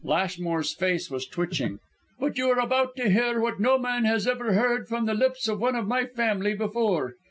Lashmore's face was twitching. "But you are about to hear what no man has ever heard from the lips of one of my family before."